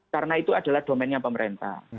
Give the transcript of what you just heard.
karena itu adalah domennya pemerintah